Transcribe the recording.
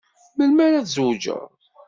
Melmi ara tzewǧeḍ?